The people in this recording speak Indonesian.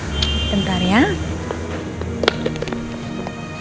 dwa bulan semuanya udah ayo udah princess